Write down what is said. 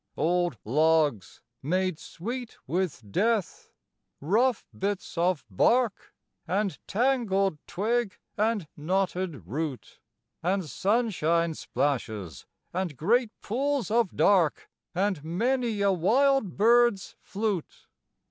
Old logs, made sweet with death; rough bits of bark; And tangled twig and knotted root; And sunshine splashes and great pools of dark; And many a wild bird's flute.